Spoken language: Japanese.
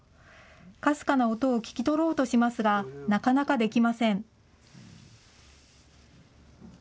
かすかな音を聞き取ろうとしますが、なかなかできません。